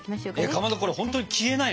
かまどこれほんとに消えないの？